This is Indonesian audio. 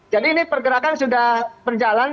jadi ini pergerakan sudah berjalan